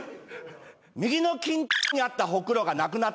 右のキンにあったほくろがなくなってた。